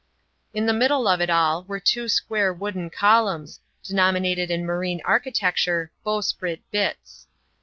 In the middle of all, were two square wooden columns, de nominated in marine architecture "Bowsprit Bitts."